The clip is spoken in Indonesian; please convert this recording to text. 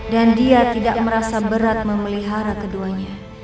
dan dia tidak merasa berat memelihara keduanya